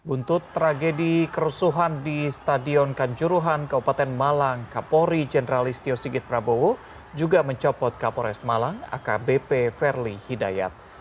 untuk tragedi kerusuhan di stadion kanjuruhan kabupaten malang kapolri jenderal istio sigit prabowo juga mencopot kapolres malang akbp ferli hidayat